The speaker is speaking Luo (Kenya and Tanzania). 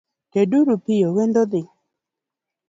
Ted uru piyo wendo dhi.